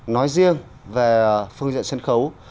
nói riêng về phương diện sân khấu